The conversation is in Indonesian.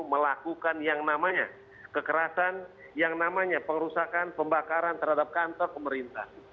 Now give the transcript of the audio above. melakukan yang namanya kekerasan yang namanya pengerusakan pembakaran terhadap kantor pemerintah